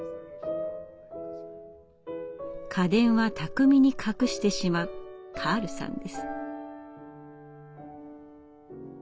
家電は巧みに隠してしまうカールさんです。